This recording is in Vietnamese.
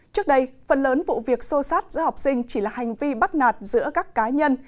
trước đây phần lớn vụ việc xô sát giữa học sinh chỉ là hành vi bắt nạt giữa các cá nhân